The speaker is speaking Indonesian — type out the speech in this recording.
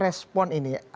untuk bisa merespon ini